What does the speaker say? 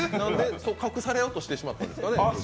隠されようとしてしまったんですかね？